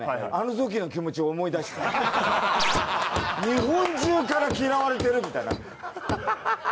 日本中から嫌われてるみたいな。